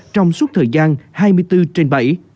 trong suốt thời gian hai mươi bốn trên bảy